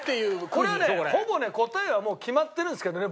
これはねほぼね答えは決まってるんですけどね